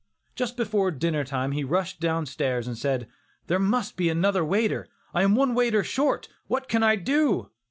Just before dinner time he rushed down stairs and said, "There must be another waiter, I am one waiter short, what can I do?"